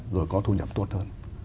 rồi có thu nhập tốt hơn